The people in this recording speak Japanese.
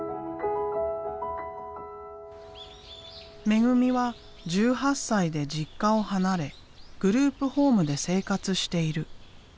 めぐみは１８歳で実家を離れグループホームで生活している。